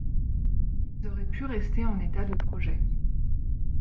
Ils auraient pu rester en état de projet.